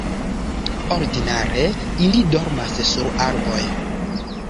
Ordinare ili dormas sur arboj.